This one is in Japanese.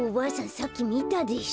さっきみたでしょ。